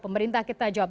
pemerintah kita jawab